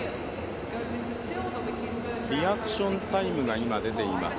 リアクションタイムが今出ています。